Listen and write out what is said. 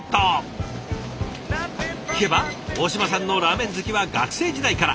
聞けば大嶋さんのラーメン好きは学生時代から。